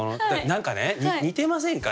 何かね似てませんか？